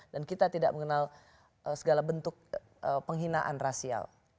kita tidak mengenal segala bentuk penghinaan rasial